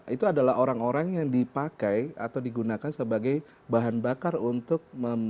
itu adalah orang orang yang dipakai atau digunakan sebagai bahan bakar untuk